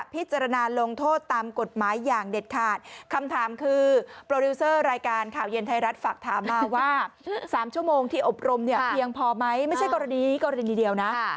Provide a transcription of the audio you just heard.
เพียงพอไหมไม่ใช่กรณีเดียวนะ